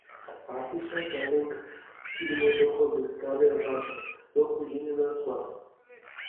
ართიშა დალენქ ქიგნოდოხოდეს გალე აბარწას დო ქუჯინენა ზღვას.